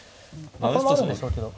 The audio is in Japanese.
これもあるんでしょうけど。